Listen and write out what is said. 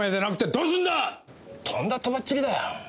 とんだとばっちりだよ。